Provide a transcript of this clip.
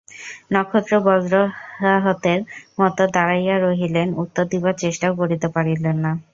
নক্ষত্র বজ্রাহতের মতো দাঁড়াইয়া রহিলেন, উত্তর দিবার চেষ্টাও করিতে পারিলেন না।